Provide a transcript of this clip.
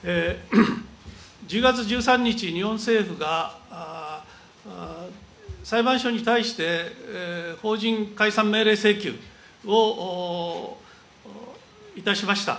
１０月１３日、日本政府が裁判所に対して、法人解散命令請求をいたしました。